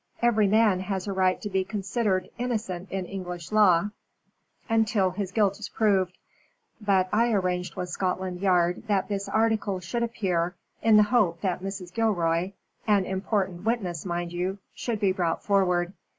Every man has a right to be considered innocent in English law until his guilt is proved. But I arranged with Scotland Yard that this article should appear in the hope that Mrs. Gilroy an important witness, mind you should be brought forward.